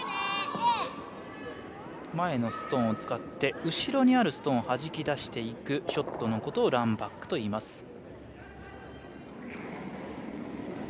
前のストーンを使って後ろにあるストーンをはじき出していくショットのことをランバックといいます。